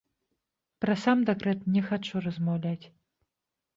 Пра сам дэкрэт не хачу размаўляць.